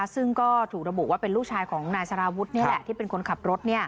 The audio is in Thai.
ซึ่งก็ถูกระบุว่าเป็นลูกชายของนายสารวุฒินี่แหละที่เป็นคนขับรถ